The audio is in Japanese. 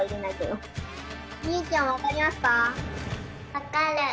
わかる。